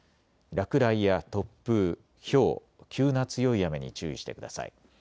落雷や突風、ひょう、急な強い雨に注意してください。